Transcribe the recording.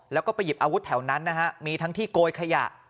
แล้วก็ไปหยิบอาวุธแถวนั้นนะฮะมีทั้งที่โกยขยะ